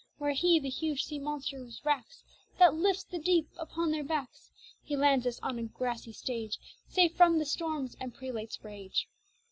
Where He the huge sea monsters wracks, That lift the deep upon their backs, He lands us on a grassy stage, Safe from the storms, and prelates' rage.